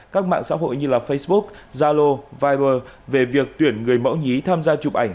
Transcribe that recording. các mạng xã hội như facebook zalo viber về việc tuyển người mẫu nhí tham gia chụp ảnh